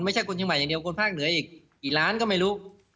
ไม่ใช่คนเชียงใหม่อย่างเดียวคนภาคเหนืออีกกี่ล้านก็ไม่รู้